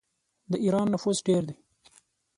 د ایران نفوس ډیر دی.